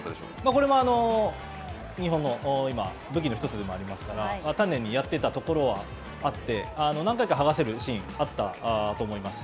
これも日本の武器の１つでもありますから、丹念にやってたところはあって、何回か剥がせるシーン、あったと思います。